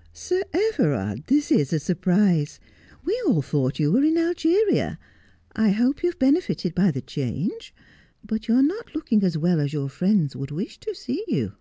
' Sir Everard ! This is a surprise. We all thought you were in Algeria. I hope you have benefited by the change. But you are not looking as well as your friends would wish to see you.'